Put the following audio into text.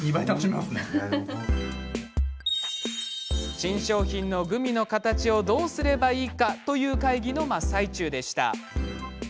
新商品のグミの形をどうすればいいかという会議の真っ最中でした。